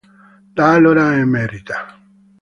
Da allora è emerita.